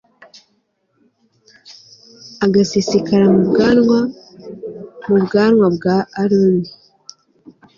agasesekara mu bwanwa, mu bwanwa bwa aroni